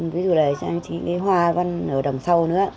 ví dụ là trang trí cái hoa văn ở đằng sau nữa